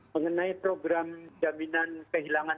mengenai program jaminan kehilangan